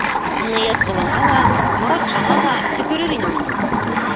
Ныязғолоңа ла, Моратшаңа ла төкөрөр инем мин.